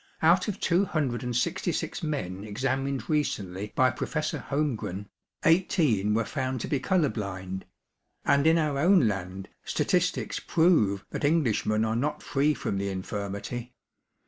Out of two hundred and sixty six men examined recently by Professor Holmgren, eighteen were found to be colour blind; and in our own land statistics prove that Englishmen are not free from the infirmity.